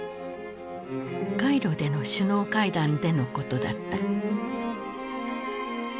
カイロでの首脳会談でのことだった。